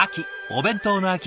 お弁当の秋。